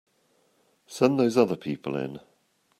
Send those other people in.